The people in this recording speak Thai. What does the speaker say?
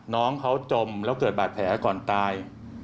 น้องเขาจมแล้วเกิดบาดแผลก่อนตาย